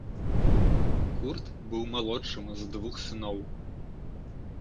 Курт быў малодшым з двух сыноў.